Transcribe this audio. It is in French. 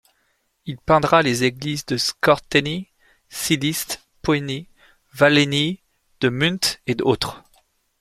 Il peindra les églises de Scorțeni, Siliște, Poeni, Vălenii de Munte et autres.